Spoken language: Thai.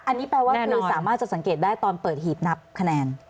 อันนี้แปลว่าคือสามารถจะสังเกตได้ตอนเปิดหีบนับคะแนน